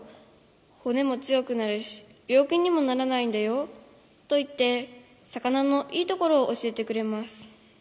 ほねも強くなるし、びょう気にもならないんだよ。」と、言って魚のいい所を教えてくれます。